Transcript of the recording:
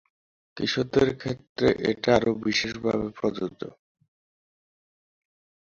কিশোরদের ক্ষেত্রে এটা আরও বিশেষভাবে প্রযোজ্য।